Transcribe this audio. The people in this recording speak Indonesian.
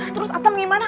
terus atem gimana